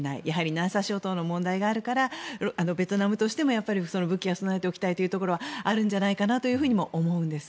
南沙諸島の問題があるからベトナムとしても武器は備えておきたいというところはあるんじゃないかなと思うんです。